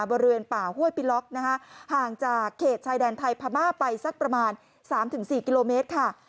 บริเวณป่าห้วยปิล็อกนะคะห่างจากเขตชายแดนไทยพม่าไปสักประมาณ๓๔กิโลเมตรค่ะ